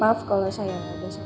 maaf kalau saya gak ada siapa